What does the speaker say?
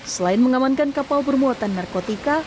selain mengamankan kapal bermuatan narkotika